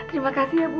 terima kasih ya bu